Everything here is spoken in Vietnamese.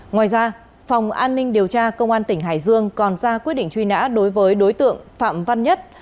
ngoài ra phòng cảnh sát điều tra tội phạm về ma túy công an tỉnh hải dương còn ra quyết định truy nã đối với đối tượng phạm văn nhất